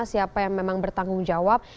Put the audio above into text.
siapa yang memang bertanggung jawab